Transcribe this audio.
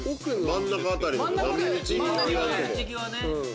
真ん中辺りの波打ち際も。